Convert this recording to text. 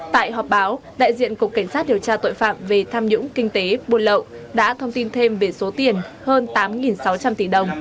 tại họp báo đại diện cục cảnh sát điều tra tội phạm về tham nhũng kinh tế buôn lậu đã thông tin thêm về số tiền hơn tám sáu trăm linh tỷ đồng